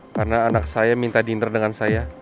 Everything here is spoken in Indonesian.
karena anak saya minta dinner dengan saya